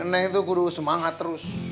nenek itu guru semangat terus